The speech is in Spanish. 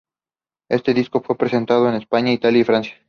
Este disco fue presentado en España, Italia y Francia.